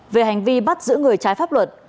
về hành vi bắt giữ người trái pháp luật